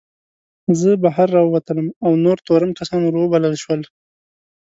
زه بهر راووتلم او نور تورن کسان ور وبلل شول.